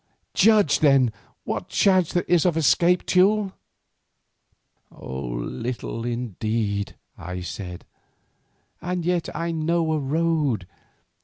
Judge, then, what chance there is of escape, Teule." "Little indeed," I said, "and yet I know a road.